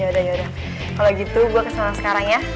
yaudah yaudah kalo gitu gue kesemangat sekarang ya